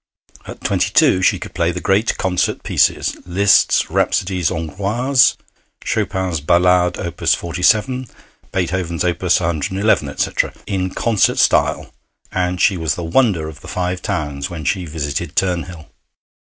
At twenty two she could play the great concert pieces Liszt's 'Rhapsodies Hongroises,' Chopin's Ballade, Op. 47, Beethoven's Op. 111, etc. in concert style, and she was the wonder of the Five Towns when she visited Turnhill.